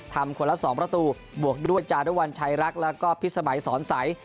คนละ๒ประตูบวกด้วยจารุวัญชัยรักแล้วก็พิษสมัยสอนใส